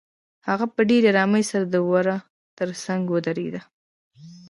هغه په ډېرې آرامۍ سره د وره تر څنګ ودرېده.